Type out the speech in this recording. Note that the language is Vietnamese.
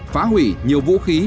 phá hủy nhiều vũ khí